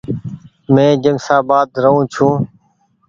مين جيمشآبآد رهون ڇون۔